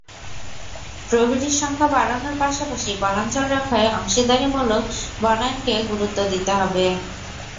প্রহরীর সংখ্যা বাড়ানোর পাশাপাশি বনাঞ্চল রক্ষায় অংশীদারিমূলক বনায়নকে গুরুত্ব দিতে হবে।